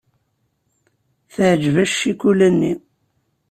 Teɛjeb-as ccikula-nni.